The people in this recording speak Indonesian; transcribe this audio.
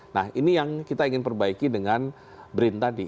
nah ini yang kita ingin perbaiki dengan brin tadi